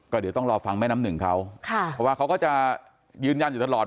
ก็เดี๋ยวต้องรอฟังแม่น้ำหนึ่งเขาค่ะเพราะว่าเขาก็จะยืนยันอยู่ตลอด